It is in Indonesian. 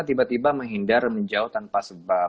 tiba tiba menghindar menjauh tanpa sebab